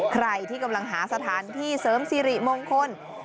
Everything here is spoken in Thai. ใครที่กำลังหาสถานที่เสริมสิริมงคล